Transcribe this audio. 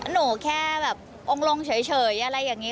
หนูแค่แบบองค์ลงเฉยอะไรอย่างนี้